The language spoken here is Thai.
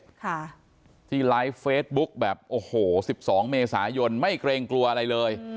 ค่ะที่ไลฟ์เฟซบุ๊คแบบโอ้โหสิบสองเมษายนไม่เกรงกลัวอะไรเลย